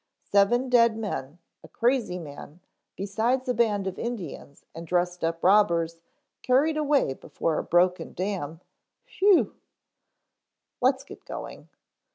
Seven dead men, a crazy man, besides a band of Indians and dressed up robbers carried away before a broken dam whew " "Let's get going."